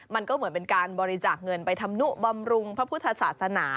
มันก็เหมือนเป็นการบริจาคเงินไปทำนุบำรุงพระพุทธศาสนา